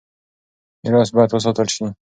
ميراث بايد وساتل شي.